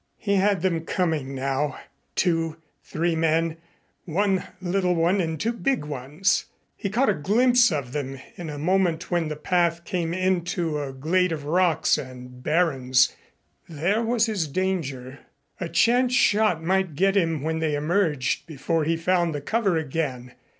He had them coming now, two three men one little one and two big ones. He caught a glimpse of them in a moment when the path came into a glade of rocks and barrens. There was his danger. A chance shot might get him when they emerged, before he found the cover again.